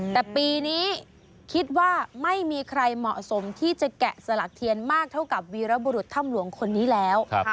แต่ปีนี้คิดว่าไม่มีใครเหมาะสมที่จะแกะสลักเทียนมากเท่ากับวีรบุรุษถ้ำหลวงคนนี้แล้ว